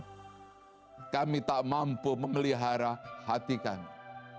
karena kami tak mampu memelihara hati kami